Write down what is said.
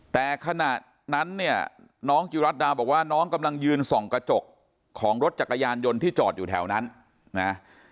แต่ขณะนั้นเนี่ยน้องจิรัตดาบอกว่าน้องกำลังยืนส่องกระจกของรถจักรยานยนต์ที่จอดอยู่แถวนั้นนะ